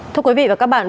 thưa quý vị và các bạn